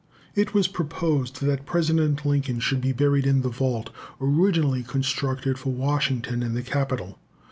It was proposed that President Lincoln should be buried in the vault originally constructed for Washington in the Capitol.